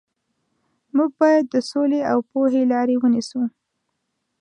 موږ باید د سولې او پوهې لارې ونیسو.